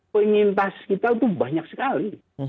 penyintas kita itu banyak sekali